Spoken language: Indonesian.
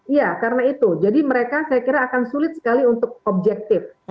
iya karena itu jadi mereka saya kira akan sulit sekali untuk objektif